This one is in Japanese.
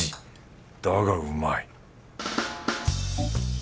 だがうまい